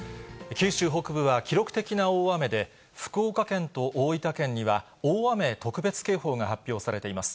九州北部は記録的な大雨で、福岡県と大分県には大雨特別警報が発表されています。